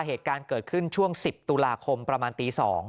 เหตุการณ์เกิดขึ้นช่วง๑๐ตุลาคมประมาณตี๒